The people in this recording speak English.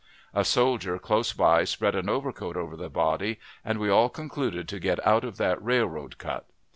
A soldier close by spread an overcoat over the body, and we all concluded to get out of that railroad cut.